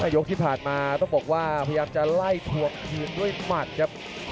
ยกที่ผ่านมาต้องบอกว่าพยายามจะไล่ทวงคืนด้วยหมัดครับ